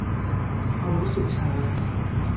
ความรู้สึกช้า